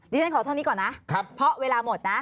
ฉันขอเท่านี้ก่อนนะเพราะเวลาหมดนะ